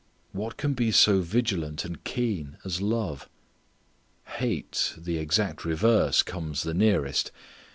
What can be so vigilant and keen as love? Hate, the exact reverse, comes the nearest.